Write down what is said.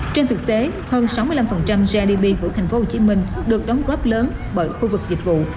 trên thực tế hơn sáu mươi năm gdp của thành phố hồ chí minh được đóng góp lớn bởi khu vực dịch vụ